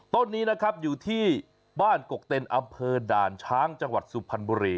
ต้นนี้อยู่ที่บ้านกกเต็นอดาญช้างจังหวัดสุพันธ์บุรี